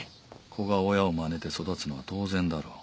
子が親をマネて育つのは当然だろう。